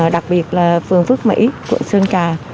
đặc biệt là phường phước mỹ quận sơn trà